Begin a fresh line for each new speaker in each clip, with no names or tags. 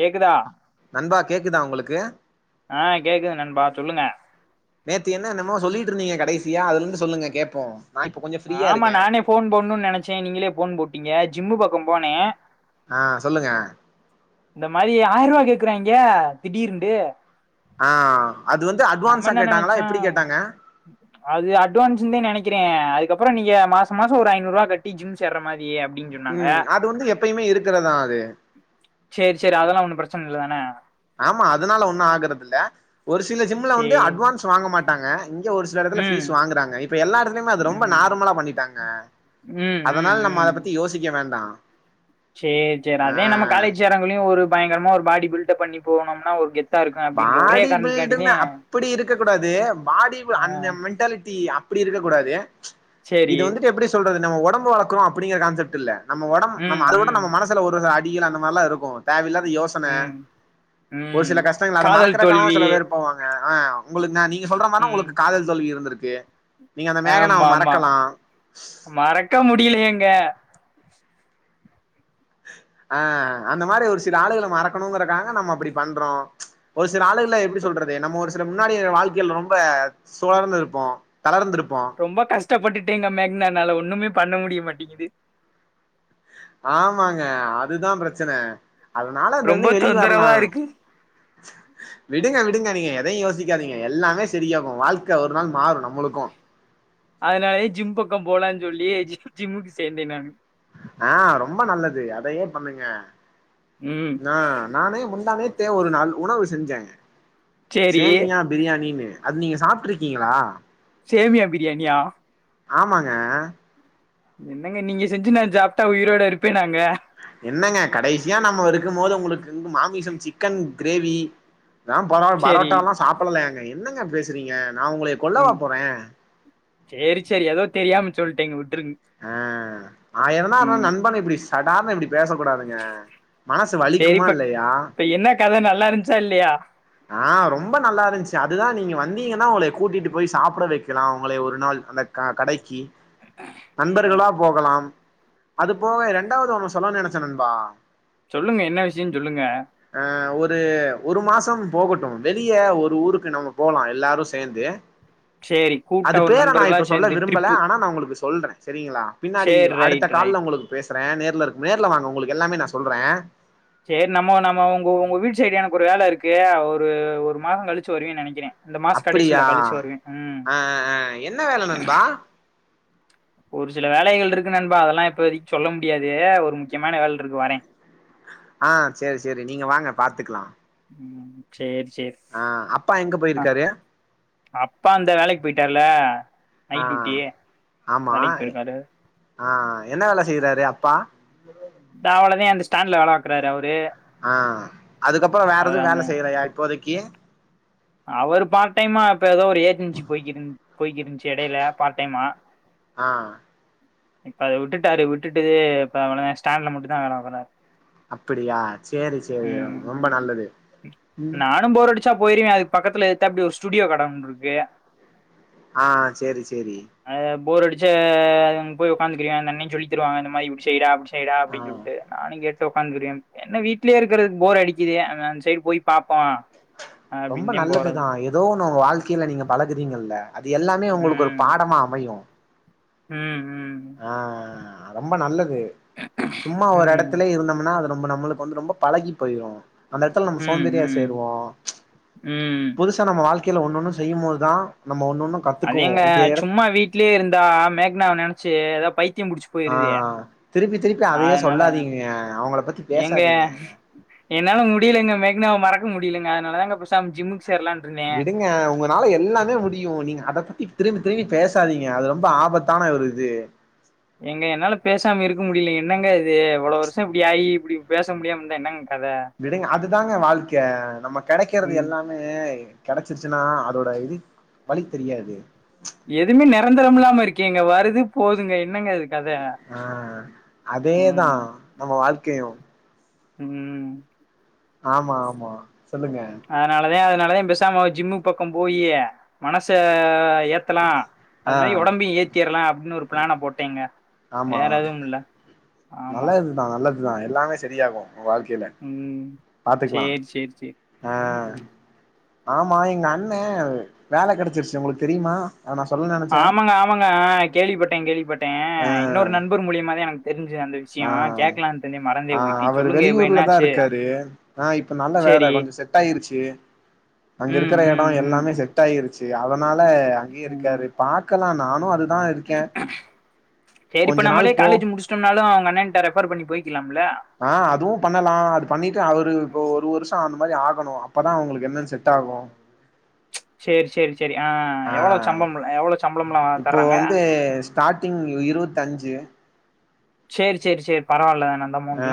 கேக்குதா
நண்பா கேக்குதா உங்களுக்கு
ஆ கேக்குது நண்பா சொல்லுங்க
நேத்து என்ன என்னமோ சொல்லிட்டு இருந்தீங்க கடைசியா அதுல இருந்து சொல்லுங்க கேப்போ நா இப்ப கொஞ்சோ ஃப்ரீயா
ஆமா
இருக்கே
நானே ஃபோன் போடனும்னு நெனைச்சே நீங்களே ஃபோன் போட்டு ப்பங்க ஜிம்மு பக்கோ போனே
ஆ சொல்லுங்க
இந்த மாதிரி ஆயிர ரூவா கேக்குறேங்க திடீர்ண்டு
ஆ அது வந்து
நம்ம
அட்வான்ஸா
என்ன
கேட்டாங்களா
நெனச்சோ
எப்டி கேட்டாங்க
அது அட்வான்ஸ்ந்தே நெனைக் கிறே அதுக்கப்புறோ நீங்க மாச மாசோ ஒரு ஐநூறுவா கட்டி ஜிம் சேர்ற மாரி அப்டின்னு சொன்னாங்க
ம் அது வந்து எப்பயுமே இருக்குறதா அது
சேரி சேரி அதெல்லா ஒன்னு பிரச்சன இல்ல தான
ஆமா அதனால ஒண்ணு ஆகுறது இல்ல ஒரு சில ஜிம்ல வந்து
சேரி
அட்வான்ஸ் வாங்க மாட்டாங்க இங் இங்க ஒரு சில எடத்துல
ம்
ஃபீஸ் வாங்கறாங்க இப் இப்ப எல்லா எடத்துலயுமே அது ரொம்ப
ம்
நார்மலா பண்ணிட்டாங்க
ம்
அதனால நம்ம அத பத்தி யோசிக்க வேண்டா
சேர் சேர்
ஆ
அதே நம்ம காலேஜ் சேர்றவங்களையு ஒரு பயங்கரமா ஒரு பாடி பில்டப் பண்ணிப் போனோம்னா ஒரு கெத்
பாடி பில்டுனா அப்டி இருக்கக்கூடாது பாடி
ஆ
அந்த மென்டாலிட்டி அப்டி இருக்க கூடாது
சேரி
இது வந்துட்டு எப்டி சொல்றது நம்ம ஒடம்பு வளக்குறோ அப்டிங்குற கான்செப்ட் இல்ல நம்ம ஒடம் நம்ம
ம்
அது விட
ம்
நம்ம மனசுல ஒரு அட் டிகல அந்த மார்லா இருக்கு தேவை இல்லாத் து யோசன
ம்
ஒரு
ம்
சில கஷ் அத
காதல்
மறக்குறக்காகவு
தோல்வி
சில பேர் போவாங்க ஆ உங்களுக்கு நா நீ சொல்ற மார்னா
ம்
உங்களுக்கு காதல் தோல்வி இருந்துருக் தே
ஆமா ஆமா மறக்க முடிலயேங்க
ஆ அந்த மாரி ஒரு சில ஆளுகள மறக்கணுங்கறக்கா நம்ம அப்புடி பண்றோ ஒரு சில ஆளுகள எப்டி
ரொ
சொல்றது நம்ம ஒரு சில முன்னாடி வாழ்க்கைல ரொம்ப சுழர்ந்து இருப்போ தளர்ந்துருப்போ
ரொம்ப கஷ்டப்பட்டுட்டேங்க மேக்னனால ஒண்ணுமே பண்ண முடிய மாட்டிங்குது
ஆமாங்க அதுதாம் பிரச்சன அதனால அது
ரொம்ப
இருந்து வெளி வர்லா
தொந்தரவா
வெள்
இருக்கு
விடுங்க விடுங்க நீங்க எதையு யோசிக்காதீங்க எல்லாமே செரியாகு வாழ்க்க ஒரு நாள் மாறு நம்மளுக்கு
அதனாலயே ஜிம் பக்கம் போலான் சொல்லி ஜி ஜிம்முக்கு சேந்தேன் நானு
ஆ ரொம்ப நல்லது அதையே பண்ணுங்க
ம்
நா நானு முந்தா நேத் தே ஒரு நாள் உணவு செஞ்ச
சேரி
சேம்மியா பிரியாணினு அது நீங்க சாப்புட்ருக்கீங்களா
சேமியா பிரியாணியா
ஆமாங்க
என்னங்க நீங்க செஞ்சு நாஞ் ஜாப்டா உயிரோட இருப்பேன்னாங்க
என்னங்க கடைசியா நம்ம ஒரு இருக்கும் போது உங்களுக்கு வந்து மாமிசம் சிக்கன் கிரேவி தாம் பரோ
சேரி
பரோட்டா எல்லா சாப்புடலலையாங்க ஏங் என்னங்க பேசுறீங்க நா உங்களய கொல்லவா
ம்
போறே
சேரி சேரி எதோ தெரியாம சொல்டேங்க விட்
அ ஆயிரந்தா இருந்தாலு
ம்
நண்பன இப்டிஸ் தடாத இப்டிப் பேச கூடாதுங்க மனசு வலிக்குமா
சேரிப்ப இப்ப
இல்லையா
இப்ப என்ன கத நல்லா இருந்துச்சா இல்லையா
ஆ ரொம்ப நல்லாருஞ்சு அத் அதுதா நீங்கள் வந்தீங்கன்னா உங்களைம கூட்டிட்டு போய் சாப்புட வெக்கலா உங்களைய ஒரு நாள் அந்த க கடைக்கி
ம்
நண்பர்களா போகலாம் அது
ம்
போக ரெண்டாவது ஒன்னுஸ் சொல்லனுன் நெனச்ச நண்பா
சொல்லுங்க என்ன விஷ்யன் சொல்லுங்க
அ ஒரு ஒரு மாசம் போகட்டு வெளிய ஒரு ஊருக்கு நம்ம போலா எல்லாரு சேந்து
சேரி கூட்டா
அது
ஒரு
பேர நா
நண்பர்களா
இப்ப சொல்ல
சேந்து
விரும்பல
ட்ரிப்பு
ஆனா நா உங்களுக்கு சொல்ற சேரிங்களா பின்னாடி
சேர்
அடுத்த
ரைட்
கால்ல
ரைட்
உங்களுக்கு பேஸ் ஸ்ர நேர்ல இருக்கு நேர்ல வாங்க உங்களுக்கு எல்லாமே நா சொல்ற
சேர் நம்ம நம்ம உங்க உங்க வீட்டு சைடு எனக்கு ஒரு வேல இருக்கு ஒரு ஒரு மாசோ கழுச்சு வருவேன் நெனைக்கிறே இந்த மாச
அப்டியா
கடைசில கழிச்சு வருவே ம்
அ அ அ என்ன வேல நண்பா
ஒரு சில வேலைகள் இருக்கு நண்பா அதெல்லா எப்போ வரைக்கு சொல்ல முடியாது ஒரு முக்கியமான வேல இருக்கு வரே
ஆ சேர் சேரி நீங்க வாங்க பாத்துக்கலா
ம் சேரி சேரி
ஆ அப்பா எங்க
ஆ
போயிருக்காரு
அப்பா அந்த வேலைக் போயிட்டாருல
ஆ ஆமா
போயிருக்காரு
ஆ என்ன வேல செய்யறாரு அப்பா உம் [inaudible]
ந்தா அவ்வளதே அந்த ஸ்டேண்ல வேல பாக்குறாரு அவரு
ஆ அதுக்கப்புறோ வேற எது
அந்த
வேல செய்யறையா இப்போதைக் க்கி
அவரு பார்ட் டைமா இப்ப எதோ ஒரு ஏஜன்சி போயிகிட்டு இருந் போய்கிட்ருஞ்சு எடையில பார்ட் டைமா
ஆ
இப்ப அத விட்டுட்டாரு விட்டுட்டு இப்ப அவன ஸ்டேண்ல மட்டுநதா வேல பாக்குறாரு
அப்டியா சேரி சேரி
ம்
ரொம்ப நல்லது
நானும் போற புடிச்சா போயிருவே அதுக்கு பக்கத்துல எதுத்தாப்டி ஒரு ஸ்டுடியோ கட ஒண்ணு இருக்கு
ஆ சேரி சேரி
அது போர் அடுச்ச அதுக் அங்க போய் உக்காந்துக்குறியா அந்த அண்ணை சொல்லித்தருவாங்க இந்த மாரி இப்புடி செய்டா அப்டி செய் செய்டா
ஆ
அப்டின் சொல்ட்டு நானுங் கேட் ட்டு உக்காந்துருவேம் என்ன வீட்லயே இருக்குறக்கு போர் அடிக்குது அதாஞ்ச் சைடு போய் பாப்போ
ரொம்ப
அப்டின்தே போறது
நல்லதுதா எதோ ஒண்ணு உங் வாழ்க்கையில நீங்க பழகுறீங்கல்ல அது எல்லாமே உங்களுக்கு ஒரு
ம்
பாடமா அமையு
ம் ம்
ஆ ஆ ரொம்ப நல்லது து சும்மா ஒரு
ம்
எடத்துலயே இருந்தம்னா அது நம்ப நம்மளுக்கு வந்து ரொம்ப பலகி போயிரு அந்த எடத்துல நம்ம சோம்பேரியா
ம்
சேருவோ
ம்
புதுசா நம்ம வாழ்க் க்கில ஒன் ஒன்னு செய்யும் போதா
அதேங்க சும்மா வீட்லயே இருந்தா மேக்னாவ நெனச்சு ச்சு எதா பைத் த்தியம் புடுச்சு
ஆ
போயிருது
திருப்பி திருப்பி அதையே
அதனால
சொல்லாதீங்க அவங்கள பத்தி
எங்க
பேசாதீங்க
என்னால முடியலங்க மேக்னாவ மறக் மறக்க முடிலங்க அதனாலதாங்க பேசாம ஜிம்க்கு
விடுங்க உங்கனால எல்லாமே முடியு நீங்க அத பத்தி திரும்பி திரும்பி பேசாதீங்க அது ரொம்ப ஆபத்தான ஒரு இது
ஏங்க என்னால பேசாம இருக்க முடிலிங்க என்னங்க இது இவ்ளோ வருஷோ இப்டி ஆயி இப்டி பேச முடியாம இருந்தா என்னங்க கத
விடுங்க அது தாங்க வாழ்க்க நம்ம கெடைக்கிறது
ம்
எல்லாமே கெடச்சுருச்சுன்னா அதோட இது வலி தெரியாது
எதுமே நெரந்தரம் இல்லாம இருக்கேங்க வருது போதுங்க என்னங்க அது
ஆ அதேதா
ம்
நம்ம வாழ்க்கையு
ம்
ஆமா ஆமா சொல்லுங்க
அதனாலதே அதனாலதே பெசாம ஜிம்மு பக்கம் போயி மனச ஏத்தலா அது
ஆ
மாரி ஒடம்பையு ஏத்திர்லா அப்டின் ஒரு பிளேன போட்டேங்க வேறெதும் இல்ல ஆமா
நல்லது தா நல்லது தா எல்லாமே செரி ஆகு வாழ்க்கைல
சேர் சேர்ஸ்
ஆ ஆமா எங்க அண்ண வேல கெடச்சுருச்சு உங்களுக்கு தெரியுமா அத நா சொல்ல நெனச்சே
ஆமாங்க ஆமாங்க அ கேள்விப்பட்டே கேள்விப்பட் டே
ஆ
இன்னொரு நண்பர் மூலியமா தா எனக்கு தெரிஞ்சது அந்த
ஆ
விஷயம். கேட்கலான்னு இருந்தேன் மறந்தே
ஆ
போயிட்டேன்.
அவரு
சொல்லுங்க இப்ப
வெளியூர்லதா
என்னாச்சு?
இருக்காரு ஆ இப்ப நல்ல
சரி.
வேல கொஞ்சோ செட் ஆயிருச்சு அங்க
ம்,
இருக்குற எடோ
ம்,
எல்லாமே
ம்,
செட் ஆயிரு ச்சு அதா அதனால அங்கயே இருக்காரு பாக்கலாம் நானு அது
சேரி இப்ப
கொஞ்ச நாள்
நம்மளே
போ
காலேஜ் முடுச்சுட்டம்னாலு உங்க அண்ணேன் ட்ட ரெஃபர் பண்ணி போய்க்கிலாம்
ஆ அதுவு பண்ணலா அது பண்ணிட்டு அவரு ஒரு
ம்.
ஒரு வருஷோ அந்த மாரி ஆகணு அப் அப்பதா உங்களுக்கு என்னன் செட் ஆகு
சேர் சேரி
ஆ
சம்பளம்லாம்
இப்போ
தர்றாங்க?
வந்து ஸ்டாடிங் இருவத்தஞ்சு
சேரி சேரி சேரி பரவால்ல தான்
அ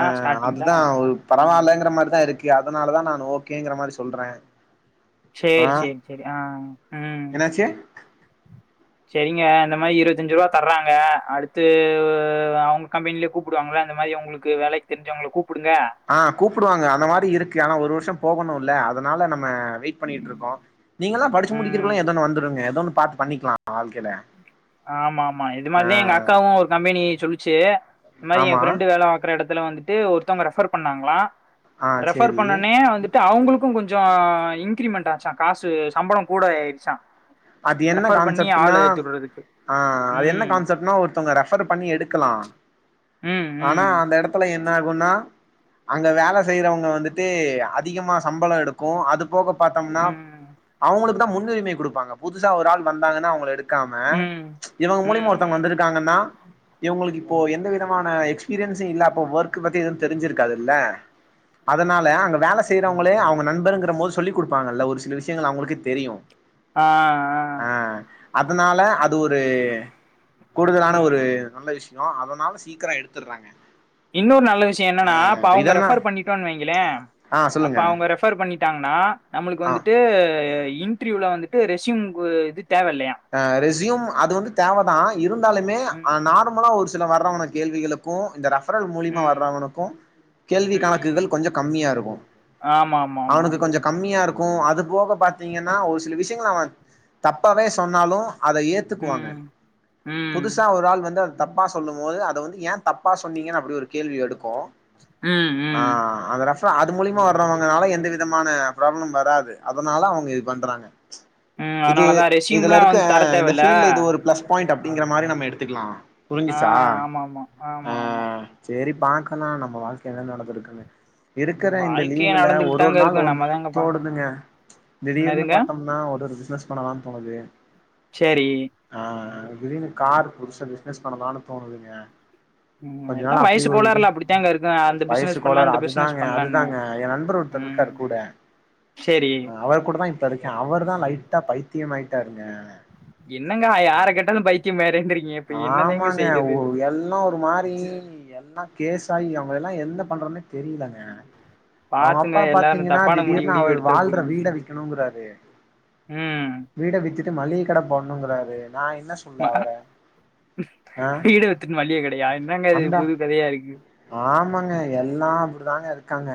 அதுதா ஒரு
ம்.
பரவால்லங்குற மாரிதா இருக்கு அதனாலதா நானு ஓகேங்குற மாரி சொல்ற
சேரி சேரி சேரி ஆ ம்
என்னாச்சு
சேரிங்க இந்த மாரி இருவத்தஞ்சு ரூவா தர்றாங்க அடுத்து அவுங்க கம்பெனிலயே கூப்புடுவாங்கள அந்த மாரி உங்களுக்கு வேலைக் தெருஞ்சவங்கள கூப்
ஆ கூப்டுவாங்க அந்த மாரி இருக்கு ஆனா ஒரு வருஷம் போகணுல்ல அத் அதனால நம் நம்ம வெயிட்
ம்
பண்ணிட்ருக்கோ நீங்கல்லா படுச்சு
ம்.
முடிக்குறகுள்ள எதோ ஒன்னு வந்துருங்க எதோன்னு பாத்து பண்ணிக்கலா வாழ்க்கைல
ஆமா ஆமா இது
ஆ
மாரிதே எங்க அக்காவு ஒரு கம்பெனி சொல்லுச் ச்சு இந்த மாரி எ
ஆமா
ஃப்ரெண்டு வேல பாக்குற எடத் அதுல வன்ட்டு ஒருத்தவங்க ரெஃபர் பண்ணாங்களா
ஆ
ரெஃபர்
சேரி
பண்ணொன்னே வந்துட்டு அவுங்களுக்கு கொஞ்சோ அ இன்கிரிமெண்ட் ஆச்சா காசு சம்பளோ கூட ஆயிருச்சா
அது என்ன கான்செப்ட்ன்னா அ அது என்ன
ம்
கான்செப்ட்னா ஒருத்தவங்க ரெஃபர் பண்ணி எடுக்கலா
ம்
ஆனா
ம்
அந்த எடத்துல என்ன ஆகுன்னா அங்க வேல செய்றவங்க வந்துட்டு அதிகமா சம்பளோ எடுக்கு அது போக பாத்தம்னா
ம்
அவுங்களுக் க்கு தா முன்னுரிமை குடுப்பாங்க புதுசா ஒரு ஆள் வந்தாங்கன்னா அவுங்கள எடுக் க்காம
ம் ம்
இவுங்க மூலியமா
ம்
ஒருத்தவங்க
ம்
வந்துருக்காங்கன்னா இவுரங்களுக்கு இப்போ எந்த விதமான எக்ஸ்பீரியன்ஸு இல்ல அப்போ ஒர்க் பத்தி எதும் தெருஞ்சுருக்காதுல்ல அதனால அங்க வேல செய்றவுங்களே அவுங்க நண்பருங்குற மோது சொல்லி குடுப்பாங்கல்ல ஒரு சில விஷ்யங்கள் அவுங்களுக்கே தெரியு
ஆ ஆ
அதனால அத் அது ஒரு கூடுதலான ஒரு
ம்
நல்ல விஷ் ஷ்யோ அதனால சீக்கிரோ எடுத்துடுறாங்க
இன்னொரு நல்ல விஷ்யோ என்னன்னா
ஆ
இப்ப அவுங்க
இதெல்லா
ரெஃபர் பண்ணிட்டோன் வெயுங்களே
ஆ
அப்ப
சொல்லுங்க
அவுங்க ரெஃபர் பண்ணி ட்டாங்கன்னா நம்மளுக்கு
ஆ
வந்துட்டு இ இன்டர்வியூல வந்துட்டு ரெஸ்சியூம்கு இது தேவ இல்லையா
அ ரெஸ்யூம் அது வந்து தேவதா இருந்தாலுமே
ம்
அ நார்மலா ஒருஸ் த்துல வர்றவன கேள்விகக்கு இந்த ரஃ ரெஃபரல் மூலிமா
ம்
வர்றவனுக்கு கேள்வி
ம்
கணக்குகள் கொஞ்சோ கம்மியா இருக்கு
ஆமா ஆமா ஆமா
அவனுக்கு
ஆமா
கொஞ்சோ கம்மியா இருக் கு அது போக பாத்தீங்கன்னா ஒரு சில விஷ்யங்கள் அவ தப்பாவேஸ் சொன்னாலு அத ஏத்துக்குவாங்க
ம் ம்
புதுசாக ஒரு ஆள் வந்து அத் தப்பா சொல்லும் போது அத வந்து ஏந் தப்பா சொன்னீங்கன்னு அப்டி ஒரு கேள்வி எடுக்கு
ம்
ஆ
ம்
அந்த ரெஃபர் அது மூலியமா வர்றவங்கனால எந்த வித் விதமான பிராப்ளம் வராது அதுனால அவங்க இது பண்றாங்க
ம்
இது
அதனால தா ரெஷ்
இதுல இருக்க இந்த ஃபீல்டுல இது ஒரு பிளஸ் பாயிண்ட் அப்டிங்கிற மாரி நம்ம எடுத்துக்கலா
ஆ
புருஞ்சுச்சா
ஆமா ஆமா
ஆ
ஆமா ஆமா
சேரிப் பாக்கலா நம்ம வாழ்க்கைல என்ன நடந்துருக்குன்னு இருக்குற இந்த
வாழ்க்கையே
லீவுல
நடந்துகிட்டு
ஒரு ஒரு
தாங்க
நாள்
இருக்கும்
ஒன்
நம்ம
ஒன்னு
தாங்க பார்க்கணும்
தோனுதுங்க திடீர்னு
என்னதுங்க
பாத்தம்னா ஒரு ஒரு பிஸ்னஸ் பண்ணலாம் அது
சேரி
திடீர்னு கார் புதுசா பிஸ்னஸ் பண்ணலான்னு தோணுதுங்க
ம்,
கொஞ்ச நாள்
எல்லாம்
அப்டி
வயசு
ஒரு இது
கோளாறுல அப்படித்தாங்க இருக்கும் அந்த
வயசு
பிசினஸ் பண்ணலாம்
கோலர்
இந்த பிசினஸ்
அதுதாங்க
பண்ணலான்னு
அதுதாங்க எ நண்பர் ஒருத்தர்
ம்
இருக்காரு கூட
சரி
அவர் கூடதா இப்ப இருக்கே அவருதா லைட்டா பைத் த்தியமாயிட்டாருங்க
என்னங்க யார கேட்டாலும் பைத்தியம் [unintelligible] என்னதாங்க
ஆமாங்க ஒ
செய்றது
எல்லா ஒரு மாரி எல்லா கேசாயி அவ இவுங்கள எல்லா என்ன பண்றதுன்னே தெரியலங்க அவங்க
பாத்துங்க
அப்பா
எல்லாரும்
பாத்தீங்கன்னா
தப்பான முடிவு
திடீர்னு
கிடிவு
அவர்
எடுத்துற
வாழ்ற
போறீங்க
வீட விக்கணுங்கறாரு
ம்
வீட வித்துட்டு மளிக கட போடணுங்கறாரு நா என்ன சொல்ல அவர ஆ
வீட வித்துட்டு மல்லிக கடையா என்னங்க அது
அந்த
புது கதையா இருக்கு
தாங்க இருக்காங்க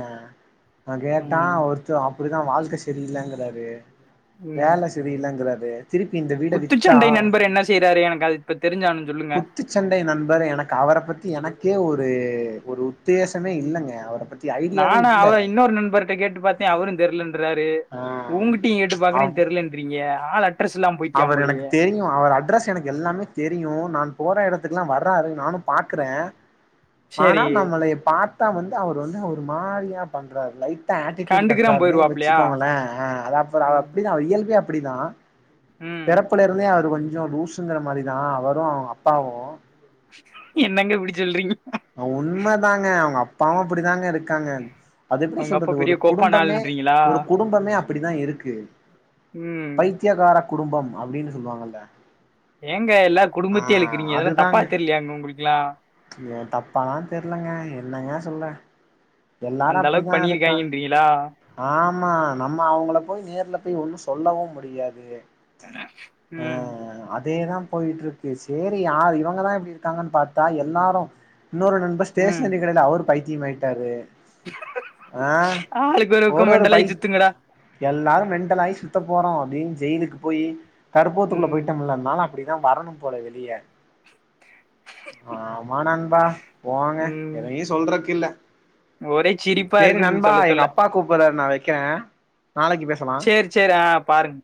நா கேட்டா
ம்
ஒருத்த அப் இப்டிதா வாழ்க்க செரியில்லங்குறாரு
ம்
வேல செரியில்லங்கறார் து
குத்துச்சண்டை நண்பர் என்ன செய்றாரு எனக்கு அது பத்
குத்துச்சண்டை நண்பர் எனக்கு அவர பத்தி எனக்கே ஒரு ஒரு உத்தேச ச்சமே இல்லங்க அவர பத்தி ஐடியாவே
நானு
இல்ல
அவ இன்னொரு நண்பர்ட்ட கேட்டு பாத்தே அவரு தெர்லன்றாரு
ஆ
உங்கிட்டயு கேட்டு பாக்குறே தெர்லன்றீங்க ஆளு அ
அவர எனக்கு தெரியு அவரு அட்ரஸ் எனக்கு எல்லாமே தெரியு நான் போற எடத்துக்கெல்லா வர்றாரு நானு பாக்குறே ஆனா
சரி
நம்மளய பாத் தா வந்து அவர் வந்து ஒரு மாரியா பண்றாரு லை ட்டா ஆட்டியூடு
கண்டுக்கிறான்
காட்றாருன்னு
போயிருவாப்லயா
வச்சுக்கோங்களே ஆ அது அப்புறோ அவரு
ம்
அப்பிடிதா அவரு இயல்பே அப் டிதா
ம்
பெறப்புல இருந்தே அவரு கொஞ் சோ லூசுங்கிற மாரிதா அவரு அவங்க அப்பாவு
என்னங்க இப்டி சொல்றீங்க
இப்பவு அப்பிடிதாங்க இருக்காங்க அது எப்டி
அவங்க அப்பா
சொல்றது ஒரு
பெரிய கோப்பான
குடும்பமே
ஆளுன்றீங்களா
ஒரு குடும்பமே அப்பிடிதா இருக்கு
ம்
பைத்தியக்கார குடும்பம் அப்டின்னு சொல்வாங்கல்ல
ஏங்க எல்லார் குடும்பத்தையு இழுக்கறீங்க இதல்லா தப்பா
அதுதாங்க
தெரியலையாங்க உங்களுக்கெல்லா
ஆ தெர்லங்க என்னங்க சொல்ல எல்லாரு
அந்த அளவுக்கு
அப்டிதா இருக்கா
பண்ணிருக்காய்ங்கன்றீங்களா
ஆமா நம்ம அவங்கள போய் நேர்ல போய் ஒன்னு சொல்லவு முடியாது ஆ
ம்
அதேதா போயிட்ருக்கு சேரி யார் இவங்கதா இப்டி இருக்காங்கன்னு பாத்தா எல்லாரு இன்னொரு நண்பர்
ம்
ஸ்டேஷனரி கடைல அவரு பை த்தியமாயிட்டாரு
ஆளுக்கு ஒரு பக்கோ மெண்டலாயி சுத்துங்கடா
மெண்டலாயி சுத்த போறோ அப்டின்னு ஜெயிலுக்கு போயி [unintelligible]
ம்
போயிட்டோமில்ல அதனால அப்டிதா வரணு போல வெளிய ஆ ஆமா நண்பா போங்க
ம்
எதையு சொல்றக்கில்ல
ஒரே சிரிப்பா
சேரி
இருக்கு நீங்க
நண்பா
சொல்ல
எங்க அப்பா கூப்புறாரு நா வெக் வெக்கிற
சேர் சேர் ஆ பாருங்